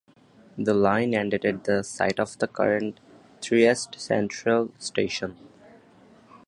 The line ended at the site of the current Trieste Centrale station.